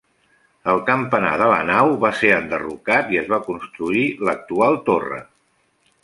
El campanar de la nau va ser enderrocat i es va construir l'actual torre.